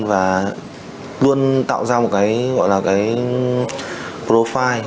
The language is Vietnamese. và luôn tạo ra một cái gọi là cái profy